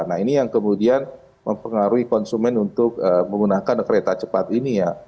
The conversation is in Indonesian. nah ini yang kemudian mempengaruhi konsumen untuk menggunakan kereta cepat ini ya